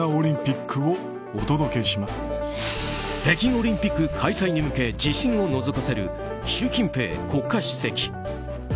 北京オリンピック開催に向け自信をのぞかせる習近平国家主席。